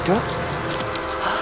aduh kok mana cewek